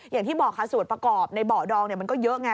อย่างที่บอกค่ะส่วนประกอบในเบาะดองมันก็เยอะไง